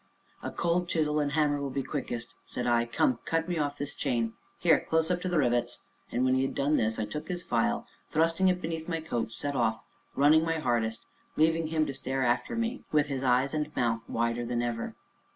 "A cold chisel and hammer will be quickest," said I; "come, cut me off this chain here, close up to the rivets." And, when he had done this, I took his file, and thrusting it beneath my coat, set off, running my hardest, leaving him to stare after me, with his eyes and mouth wider than ever.